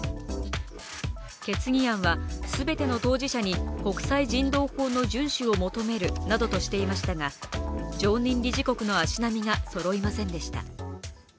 決議案は全ての当事者に国際人道法の順守を求めるなどとしていましたが、常任理事国の足並みがそろいませんでした。